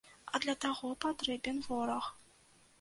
А для таго патрэбен вораг.